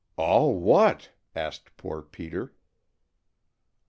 "All what?" asked poor Peter.